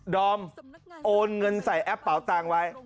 อมโอนเงินใส่แอปเป๋าตังค์ไว้